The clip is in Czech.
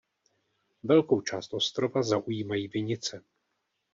Velkou část ostrova zaujímají vinice.